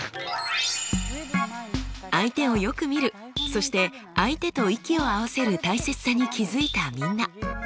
そして相手と息を合わせる大切さに気付いたみんな。